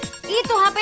apa ada sekarang pak